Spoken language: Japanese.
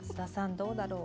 どうだろう？